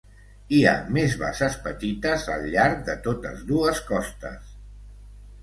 Hi ha més bases petites al llarg de totes dues costes.